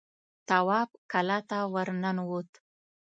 تواب کلا ته ور ننوت.